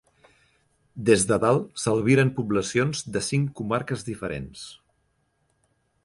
Des de dalt s'albiren poblacions de cinc comarques diferents.